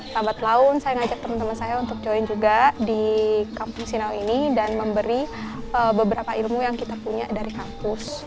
sahabat laun saya ngajak teman teman saya untuk join juga di kampung sinaw ini dan memberi beberapa ilmu yang kita punya dari kampus